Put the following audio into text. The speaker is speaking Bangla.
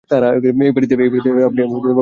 এই বাড়িতে আপনি কত দিন ধরে আছেন।